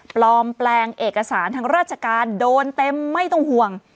ปลอมแปลงเอกสารทางราชการโดนเต็มไม่ต้องห่วง